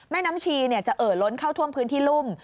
แม่น้ำชีจะเอ่อล้นเข้าท่วมพื้นที่รุ่ม